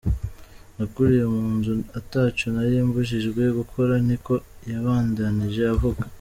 Nakuriye mu nzu ataco nari mbujijwe gukora," niko yabandanije avuga.